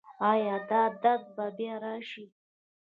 ایا دا درد به بیا راشي؟